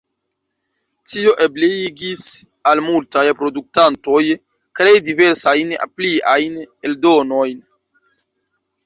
Tio ebligis al multaj produktantoj krei diversajn pliajn eldonojn.